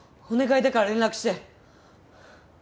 お願いだから連絡して。